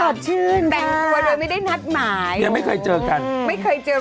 ชื่นแต่งตัวโดยไม่ได้นัดหมายยังไม่เคยเจอกันไม่เคยเจอ